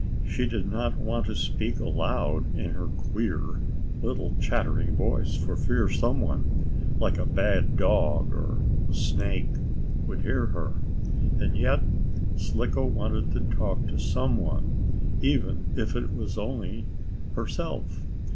She did not want to speak aloud in her queer, little chattering voice, for fear some one like a bad dog or a snake would hear her. And yet Slicko wanted to talk to some one, even if it was only herself.